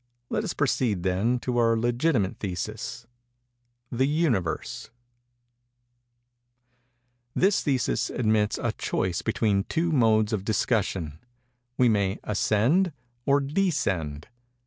Let us proceed, then, to our legitimate thesis, The Universe. This thesis admits a choice between two modes of discussion:—We may _as_cend or _de_scend.